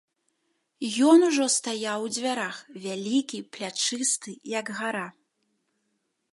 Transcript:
Ён ужо стаяў у дзвярах, вялікі, плячысты, як гара.